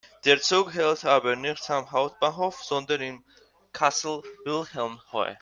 Der Zug hält aber nicht am Hauptbahnhof, sondern in Kassel-Wilhelmshöhe.